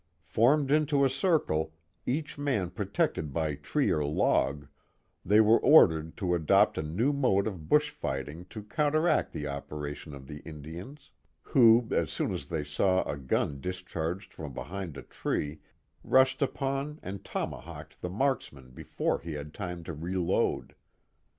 Formed into a circle, each man protected by tree or log, they were ordered to adopt a new mode of bush fighting to counteract the opera tions of the Indians, who, as soon as they saw a gun dis charged from behind a tree rushed upon and tomahawked the marksman before he had time to reload.